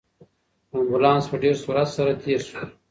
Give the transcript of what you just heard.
امبولانس په ډېر سرعت سره تېر شو.